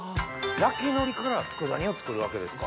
焼き海苔から佃煮を作るわけですか。